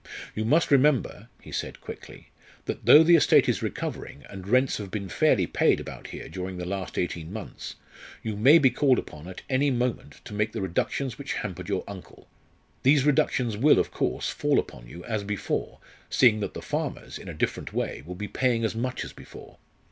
"You must remember," he said quickly, "that though the estate is recovering, and rents have been fairly paid about here during the last eighteen months, you may be called upon at any moment to make the reductions which hampered your uncle. These reductions will, of course, fall upon you as before, seeing that the farmers, in a different way, will be paying as much as before.